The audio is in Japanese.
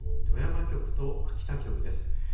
富山局と秋田局です。